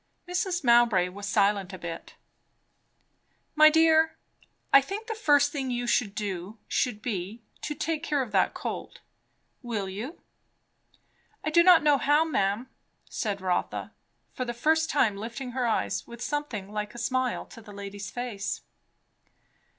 Mrs. Mowbray was silent a bit. "My dear, I think the first thing you should do should be, to take care of that cold. Will you?" "I do not know how, ma'am," said Rotha, for the first time lifting her eyes with something like a smile to the lady's face.